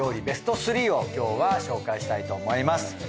ベスト３を今日は紹介したいと思います。